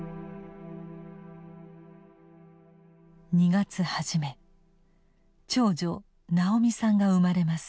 ２月初め長女直美さんが生まれます。